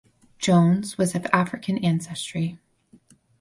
Jones was of African ancestry.